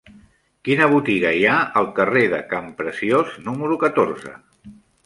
Quina botiga hi ha al carrer de Campreciós número catorze?